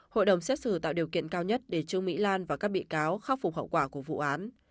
hội đồng xét xử tạo điều kiện cao nhất để trương mỹ lan và các bị cáo khắc phục hậu quả của vụ án